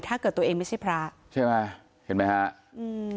ถ้าเกิดตัวเองไม่ใช่พระใช่ไหมเห็นไหมฮะอืม